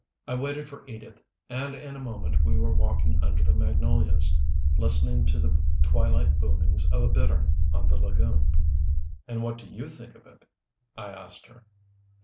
I waited for Edith, and in a moment we were walking under the magnolias, listening to the twilight boomings of a bittern on the lagoon. "And what do you think of it?" I asked her.